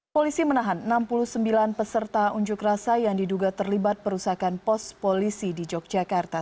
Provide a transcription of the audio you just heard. polisi menahan enam puluh sembilan peserta unjuk rasa yang diduga terlibat perusakan pos polisi di yogyakarta